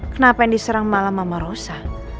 kenapa yang diserang malah mama rosa